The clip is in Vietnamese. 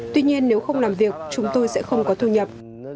tuy nhiên nếu không làm việc chúng tôi sẽ không có thu nhập